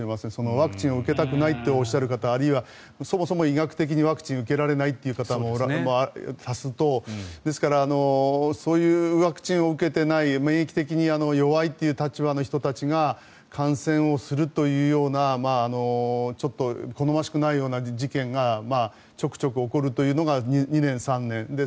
ワクチンを受けたくないとおっしゃる方あるいは、そもそも医学的にワクチンを受けられないという方も足すとですからそういうワクチンを受けていない免疫的に弱いという立場の人たちが感染をするというようなちょっと好ましくないような事件がちょくちょく起こるというのが２年、３年です。